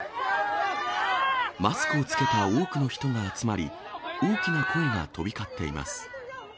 マスクを着けた多くの人が集まり、大きな声が飛び交っています。